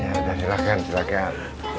ya sudah silahkan silahkan